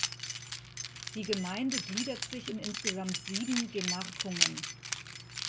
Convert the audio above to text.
Die Gemeinde gliedert sich in insgesamt sieben Gemarkungen.